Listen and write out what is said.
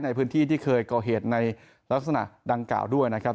ในพื้นที่ที่เคยก่อเหตุในลักษณะดังกล่าวด้วยนะครับ